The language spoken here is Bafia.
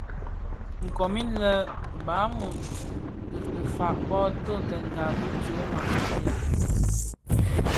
Komid lè Balum dhi fag bō toňdènga bi tyoma ti bia.